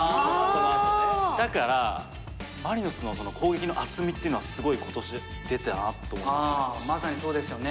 だからマリノスの攻撃の厚みっていうのはすごい今年出たなと思いますね。